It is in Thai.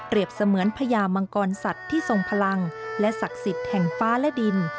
เสมือนพญามังกรสัตว์ที่ทรงพลังและศักดิ์สิทธิ์แห่งฟ้าและดิน